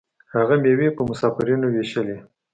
هغه میوې په مسافرینو ویشلې.